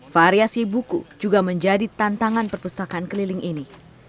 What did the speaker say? variasi buku juga menjadi tantangan perpustakaan keliling ini